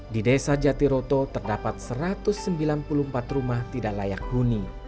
di desa jatiroto terdapat satu ratus sembilan puluh empat rumah tidak layak huni